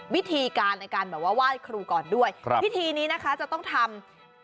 วิธีการในการแบบว่าไหว้ครูก่อนด้วยพิธีนี้นะคะจะต้องทำ